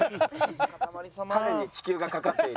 彼に地球が懸かっている。